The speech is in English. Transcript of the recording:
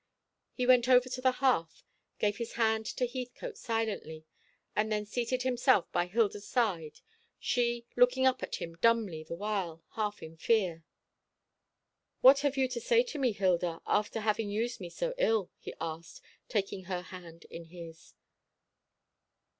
He went over to the hearth, gave his hand to Heathcote silently, and then seated himself by Hilda's side, she looking up at him dumbly the while, half in fear. "What have you to say to me, Hilda, after having used me so ill?" he asked, taking her hand in his.